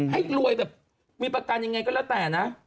ให้รวยแบบมีประกันยังไงก็แล้วแต่นะ